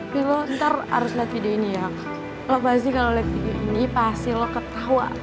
bintang harusnya video ini ya lo pasti kalau lihat ini pasti lo ketawa banget